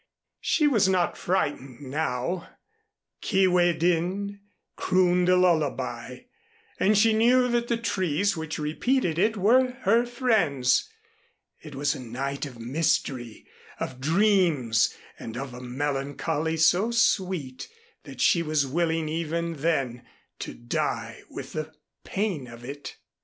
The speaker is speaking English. She was not frightened now. Kee way din crooned a lullaby, and she knew that the trees which repeated it were her friends. It was a night of mystery, of dreams and of a melancholy so sweet that she was willing even then to die with the pain of it.